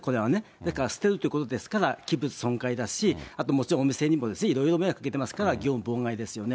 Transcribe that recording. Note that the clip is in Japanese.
だから捨てるっていうことですから、器物損壊だし、あともちろんお店にもいろいろ迷惑かけてますから、業務妨害ですよね。